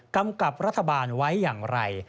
กำกับรัฐบาลไว้อย่างไร